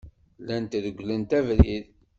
Llant regglent abrid.